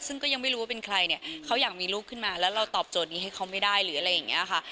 ซึ่งก็ยังไม่รู้ว่าเป็นใครเนี่ยเขาอยากมีลูกขึ้นมาแล้วเราตอบโจทย์นี้ให้เขาไม่ได้หรืออะไรอย่างนี้ค่ะ